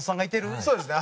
そうですね。